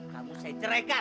kamu saya ceraikan